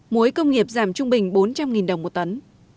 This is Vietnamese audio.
muối công nghiệp giảm trung bình bốn trăm linh đồng một tấn